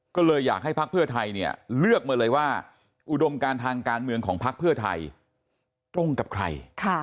ก็เลยอยากให้ภักดิ์เพื่อไทยเนี่ยเลือกมาเลยว่าอุดมการทางการเมืองของพักเพื่อไทยตรงกับใคร